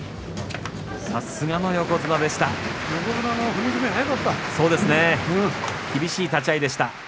さすがの横綱でした。